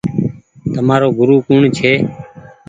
تمآرو گورو ڪوڻ ڇي۔